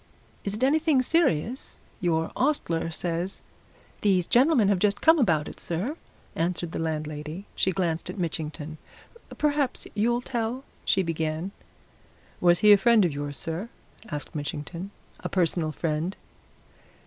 "Is it anything serious? Your ostler says " "These gentlemen have just come about it, sir," answered the landlady. She glanced at Mitchington. "Perhaps you'll tell " she began. "Was he a friend of yours, sir?" asked Mitchington. "A personal friend?"